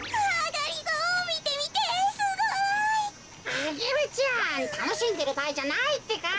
アゲルちゃんたのしんでるばあいじゃないってか。